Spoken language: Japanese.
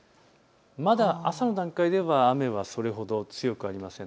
まだ朝の段階では雨はそれほど強くありません。